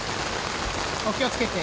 お気をつけて。